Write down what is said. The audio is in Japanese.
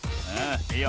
いいよ。